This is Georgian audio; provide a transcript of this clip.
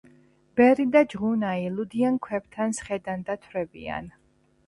ბერი და ჯღუნაი ლუდიან ქვებთან სხედან და თვრებიან